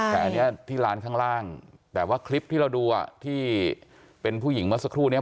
แต่อันนี้ที่ร้านข้างล่างแต่ว่าคลิปที่เราดูอ่ะที่เป็นผู้หญิงเมื่อสักครู่นี้